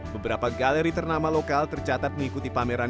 beberapa galeri ternama lokal tercatat mengikuti pameran